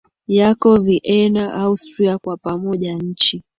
yako Vienna Austria Kwa pamoja nchi